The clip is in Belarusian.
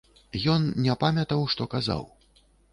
Ён не памятаў, што казаў.